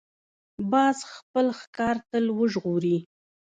باز خپل ښکار تل وژغوري